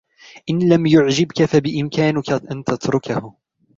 إن لم يعجبك فبإمكانك أن تتركه.